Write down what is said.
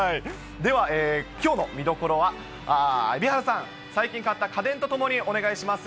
では、きょうの見どころは、蛯原さん、最近買った家電とともにお願いします。